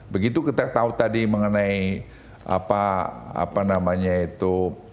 begitu kita tahu tadi mengenai apa namanya itu